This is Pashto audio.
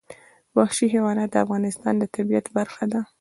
وحشي حیوانات د افغانستان د طبیعت برخه ده.